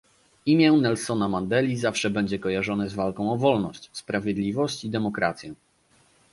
Imię Nelsona Mandeli zawsze będzie kojarzone z walką o wolność, sprawiedliwość i demokrację